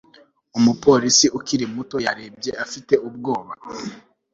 umupolisi ukiri muto yarebye afite ubwoba